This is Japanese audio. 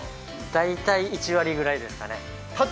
大体１割ぐらいですかね。